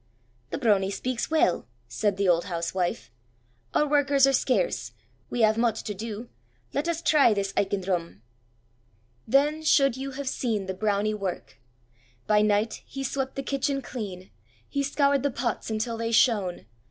"The Brownie speaks well," said the old housewife. "Our workers are scarce. We have much to do. Let us try this Aiken Drum." Then should you have seen the Brownie work! By night he swept the kitchen clean. He scoured the pots until they shone.